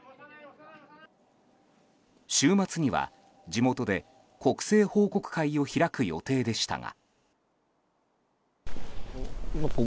週末には、地元で国政報告会を開く予定でしたが。